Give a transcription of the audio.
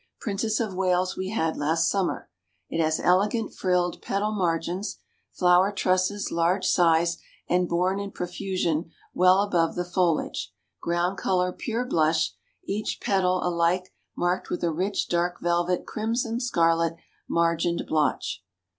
Princess of Wales we had last summer. It has elegant frilled petal margins; flower trusses large size and borne in profusion well above the foliage; ground color pure blush, each petal alike marked with a rich dark velvet crimson scarlet margined blotch.